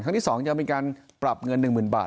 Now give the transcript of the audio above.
ครั้งที่สองจะมีการปรับเงิน๑๐๐๐๐บาท